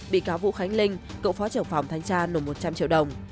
bị cáo vũ khánh linh cựu phó trưởng phòng thanh tra nộp một trăm linh triệu đồng